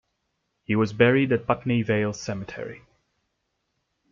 He was buried at Putney Vale Cemetery.